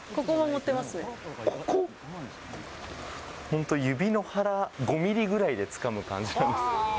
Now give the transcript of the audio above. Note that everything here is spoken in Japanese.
本当、指の腹５ミリぐらいでつかむ感じなんです。